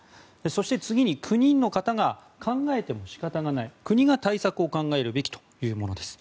そして次に、９人の方が考えても仕方ない国が対策を考えるべきというものです。